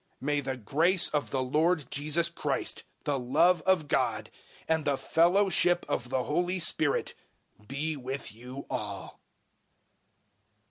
013:014 May the grace of the Lord Jesus Christ, the love of God, and the fellowship of the Holy Spirit, be with you all.